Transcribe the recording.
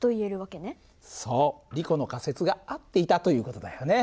リコの仮説が合っていたという事だよね。